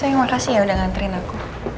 sayang makasih ya udah nganterin aku